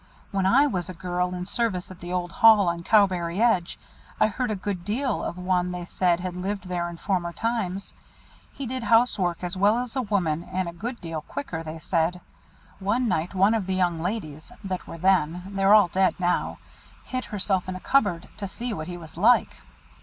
When I was a girl, in service at the old hall, on Cowberry Edge, I heard a good deal of one they said had lived there in former times. He did house work as well as a woman, and a good deal quicker, they said. One night one of the young ladies (that were then, they're all dead now) hid herself in a cupboard, to see what he was like."